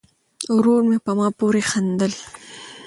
ورور مې په ما پورې خندل.